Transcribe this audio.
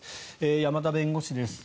山田弁護士です。